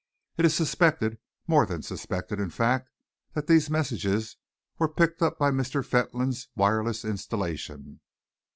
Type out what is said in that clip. It is suspected more than suspected, in fact that these messages were picked up by Mr. Fentolin's wireless installation."